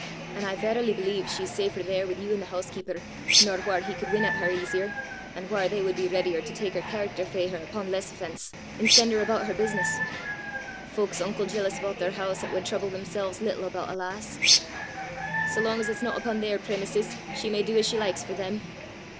An' I varily believe she's safer there wi' you an' the hoosekeeper nor whaur he could win at her easier, an' whaur they wud be readier to tak her character frae her upo' less offence, an' sen' her aboot her business. Fowk 's unco jealous about their hoose 'at wad trouble themsel's little aboot a lass! Sae lang as it's no upo' their premises, she may do as she likes for them!